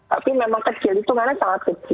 tapi memang kecil hitungannya sangat kecil